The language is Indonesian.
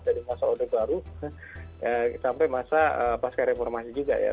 dari masa orde baru sampai masa pasca reformasi juga ya